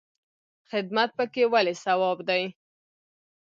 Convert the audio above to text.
خدمت پکې ولې ثواب دی؟